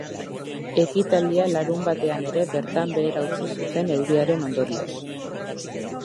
Ekitaldia larunbatean ere bertan behera utzi zuten euriaren ondorioz.